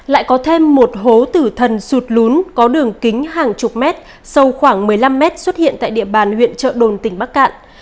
lại có thêm một hố tử thần sụt lún có đường kính hàng chục mét sâu khoảng một mươi năm mét xuất hiện tại địa bàn huyện trợ đồn tỉnh bắc cạn